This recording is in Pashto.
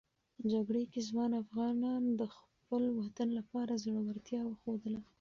جګړې کې ځوان افغانان د خپل وطن لپاره زړورتیا وښودله.